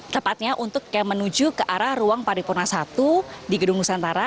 tepatnya untuk menuju ke arah ruang paripurna satu di gedung nusantara